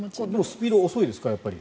スピード遅いですか。